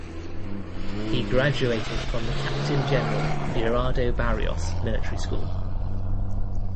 He graduated from the Captain General Gerardo Barrios Military School.